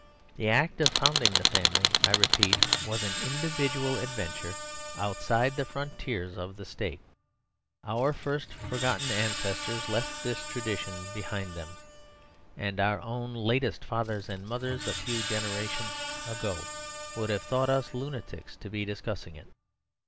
The act of founding the family, I repeat, was an individual adventure outside the frontiers of the State. Our first forgotten ancestors left this tradition behind them; and our own latest fathers and mothers a few years ago would have thought us lunatics to be discussing it.